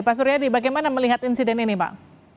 pak suryadi bagaimana melihat insiden ini pak